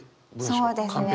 そうですね